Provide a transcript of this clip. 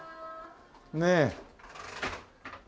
ねえ。